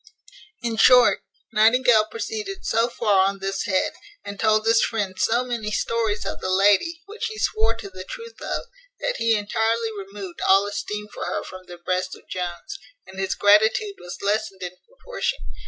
In short, Nightingale proceeded so far on this head, and told his friend so many stories of the lady, which he swore to the truth of, that he entirely removed all esteem for her from the breast of Jones; and his gratitude was lessened in proportion.